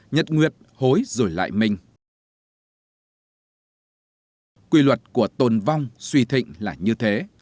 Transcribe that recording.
nhật nguyệt hối rồi lại mình quy luật của tôn vong suy thịnh là như thế